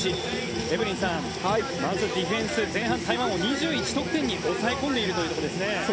エブリンさん、まずディフェンス前半、台湾を２１得点に抑え込んでいるということです。